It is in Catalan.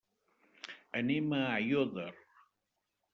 Anem a Aiòder.